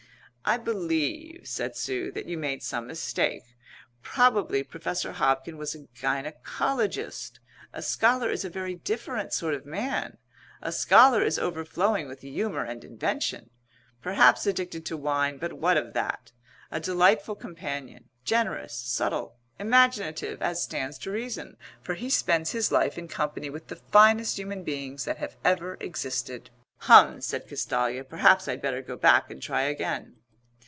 "I believe," said Sue, "that you made some mistake. Probably Professor Hobkin was a gynæcologist. A scholar is a very different sort of man. A scholar is overflowing with humour and invention perhaps addicted to wine, but what of that? a delightful companion, generous, subtle, imaginative as stands to reason. For he spends his life in company with the finest human beings that have ever existed." "Hum," said Castalia. "Perhaps I'd better go back and try again."